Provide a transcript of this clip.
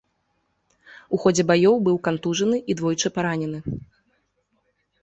У ходзе баёў быў кантужаны і двойчы паранены.